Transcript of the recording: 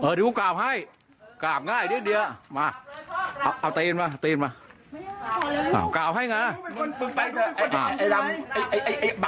โรคเต้นความลัดมันยิงกว่าเจ้งความ